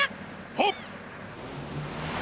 はっ！